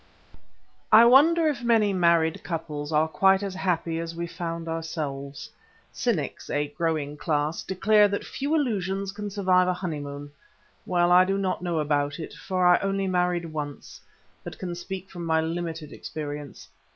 I wonder if many married couples are quite as happy as we found ourselves. Cynics, a growing class, declare that few illusions can survive a honeymoon. Well, I do not know about it, for I only married once, and can but speak from my limited experience.